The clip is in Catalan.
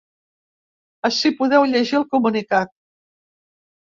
Ací podeu llegir el comunicat.